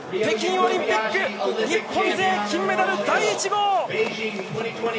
北京オリンピック日本勢金メダル第１号！